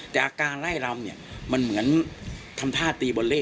จากการไล่รำเนี่ยมันเหมือนทำท่าตีบอลเล่